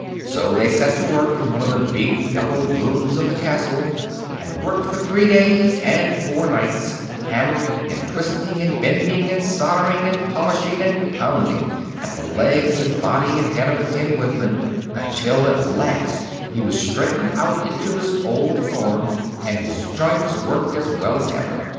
So they set to work in one of the big yellow rooms of the castle and worked for three days and four nights, hammering and twisting and bending and soldering and polishing and pounding at the legs and body and head of the Tin Woodman, until at last he was straightened out into his old form, and his joints worked as well as ever.